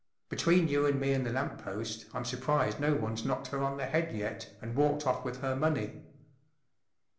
Between you and me and the lamp post I'm surprised no one's knocked her on the head yet and walked off with her money."